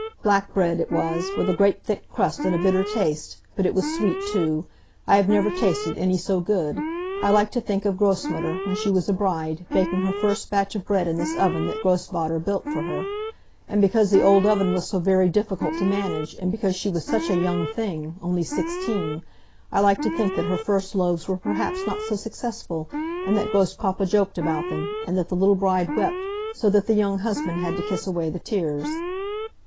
Black bread it was, with a great thick crust, and a bitter taste. But it was sweet, too. I have never tasted any so good. I like to think of Grossmutter, when she was a bride, baking her first batch of bread in this oven that Grossvater built for her. And because the old oven was so very difficult to manage, and because she was such a young thing only sixteen! I like to think that her first loaves were perhaps not so successful, and that Grosspapa joked about them, and that the little bride wept, so that the young husband had to kiss away the tears."